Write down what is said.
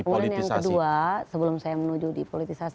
kemudian yang kedua sebelum saya menuju di politisasi